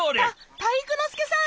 た体育ノ介さん！